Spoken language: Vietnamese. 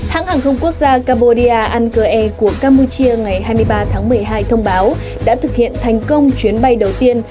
hãng hàng không quốc gia cambodia ankele của campuchia ngày hai mươi ba tháng một mươi hai thông báo đã thực hiện thành công chuyến bay đầu tiên